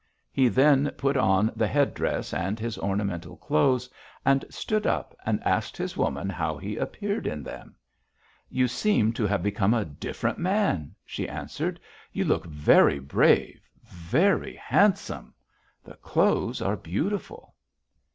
He then put on the headdress and his ornamental clothes and stood up and asked his woman how he appeared in them. "'You seem to have become a different man,' she answered. 'You look very brave, very handsome. The clothes are beautiful.'